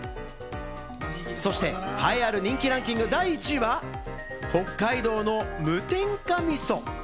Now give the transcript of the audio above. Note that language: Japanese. そして栄えある人気ランキング第１位は北海道の無添加みそ。